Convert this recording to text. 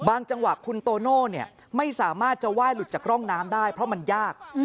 จังหวะคุณโตโน่ไม่สามารถจะไหว้หลุดจากร่องน้ำได้เพราะมันยาก